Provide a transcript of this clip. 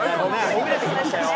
ほぐれてきましたよ。